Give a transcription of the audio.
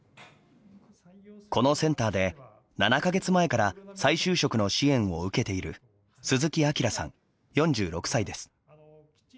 このセンターで７か月前から再就職の支援を受けている鈴木明さん４６歳です。